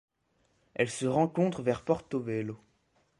Elle se rencontre vers Porto Velho.